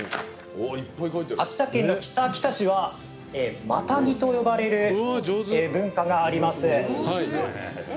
秋田県の北秋田市はマタギと呼ばれる文化があります。